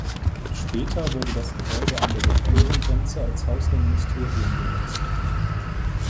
Später wurde das Gebäude an der Sektorengrenze als Haus der Ministerien genutzt.